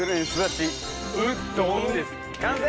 完成！